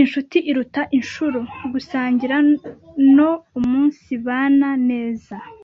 inshuti iruta inshuro, gusangira no umunsibana neza